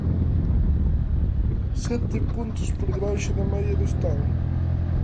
Sete puntos por debaixo da media do Estado.